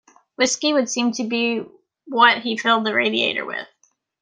Whisky would seem to be what he filled the radiator with.